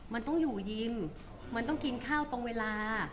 มันต้องอยู่เย็นมันต้องกินข้าวตรงเวลา